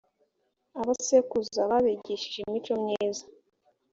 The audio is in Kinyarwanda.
abasekuruza babigishije imico myiza.